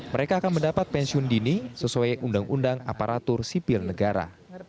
mereka akan mendapat pensiun dini sesuai undang undang aparatur sipil negara